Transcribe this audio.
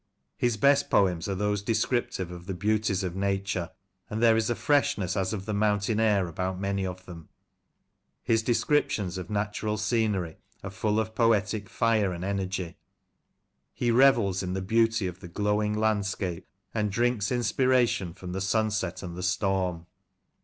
His best poems are those descriptive of the beauties of Nature, and there is a freshness as of the mountain air about many of them. His descriptions of natural scenery are full of poetic fire and energy. He revels in the beauty of the glowing landscape, and drinks inspiration from the sunset and the storm.